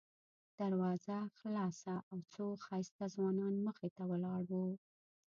دروازه خلاصه او څو ښایسته ځوانان مخې ته ولاړ وو.